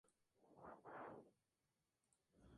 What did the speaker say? Se encuentra en la Isla de Lord Howe en Australia.